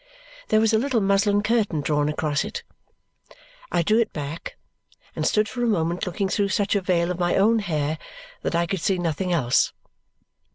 There was a little muslin curtain drawn across it. I drew it back and stood for a moment looking through such a veil of my own hair that I could see nothing else.